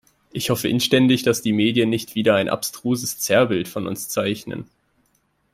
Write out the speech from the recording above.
Ich hoffe inständig, dass die Medien nicht wieder ein abstruses Zerrbild von uns zeichnen.